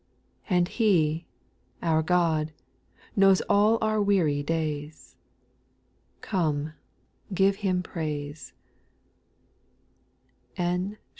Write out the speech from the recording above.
And He, our God, knows all our weary days,— Come, give Him praise I N.